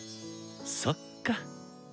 そっか！